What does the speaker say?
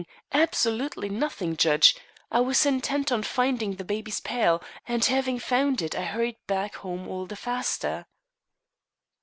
Absolutely nothing, judge. I was intent on finding the baby's pail, and having found it I hurried back home all the faster."